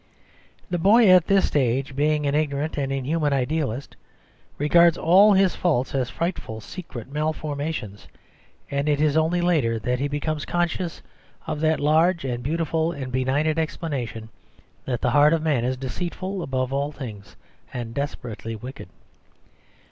The boy at this stage being an ignorant and inhuman idealist, regards all his faults as frightful secret malformations, and it is only later that he becomes conscious of that large and beautiful and benignant explanation that the heart of man is deceitful above all things and desperately wicked.